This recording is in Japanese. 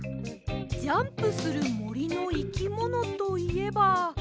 ジャンプするもりのいきものといえば。